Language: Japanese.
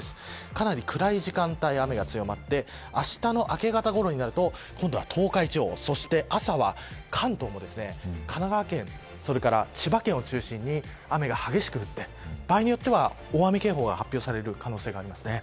かなり暗い時間帯、雨が強まってあしたの明け方ごろになると東海地方、朝は関東も神奈川県それから千葉県を中心に雨が激しく降って場合によっては大雨警報が発表される可能性があります。